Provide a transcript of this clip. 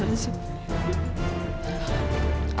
gak akan pernah